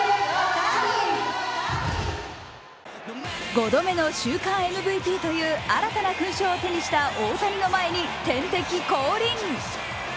５度目の週間ＭＶＰという新たな勲章を手にした大谷の前に天敵降臨。